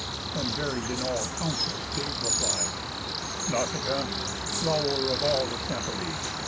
The varied in all counsels gave reply: "Nausicaa! Flow'r of all this empery!